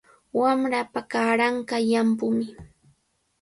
Wamrapa kaaranqa llampumi.